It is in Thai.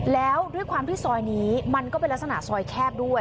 แล้วด้วยความที่ซอยนี้มันก็เป็นลักษณะซอยแคบด้วย